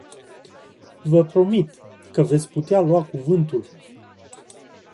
Vă promit că veți putea lua cuvântul.